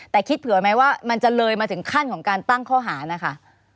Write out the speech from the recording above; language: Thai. แต่คิดเผื่อไหมว่ามันจะเลยมาถึงขั้นของการตั้งข้อหานะคะ